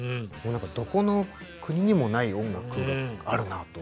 どこの国にもない音楽があるなと。